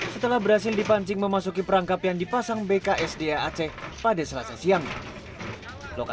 setelah penangkapan buaya ini dibawa ke kantor bks daya aceh pada selasa malam